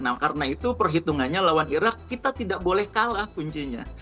nah karena itu perhitungannya lawan irak kita tidak boleh kalah kuncinya